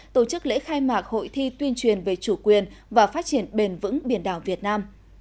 tổ chức lễ khai mạc hội thi tuyên truyền về chủ quyền và phát triển bền vững biển đảo việt nam